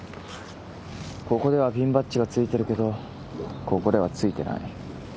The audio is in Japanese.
ここではピンバッジが付いてるけどここでは付いてない。